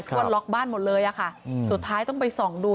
ว่าล็อกบ้านหมดเลยอะค่ะสุดท้ายต้องไปส่องดู